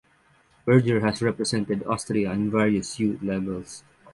Berger has represented Austria in various youth levels.